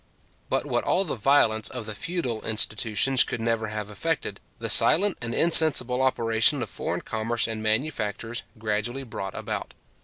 But what all the violence of the feudal institutions could never have effected, the silent and insensible operation of foreign commerce and manufactures gradually brought about.